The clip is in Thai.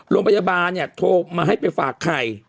โรงพยาบาลเนี่ยโทรมาให้ไปฝากไข่